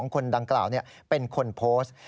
คนดังกล่าวเป็นคนโพสต์